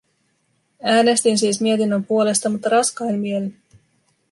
Äänestin siis mietinnön puolesta, mutta raskain mielin.